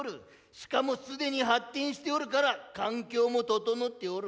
しかもすでに発展しておるから環境も整っておる。